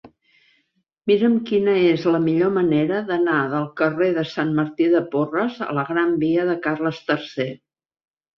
Mira'm quina és la millor manera d'anar del carrer de Sant Martí de Porres a la gran via de Carles III.